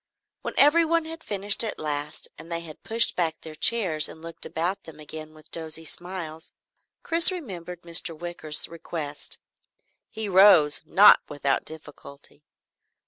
When everyone had finished at last and they had pushed back their chairs and looked about them again with dozy smiles, Chris remembered Mr. Wicker's request. He rose, not without difficulty.